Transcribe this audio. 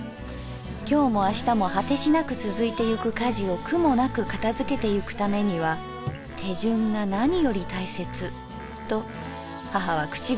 今日も明日も果しなくつづいてゆく家事を苦もなく片づけてゆくためには手順が何より大切と母は口癖のように言っていた」。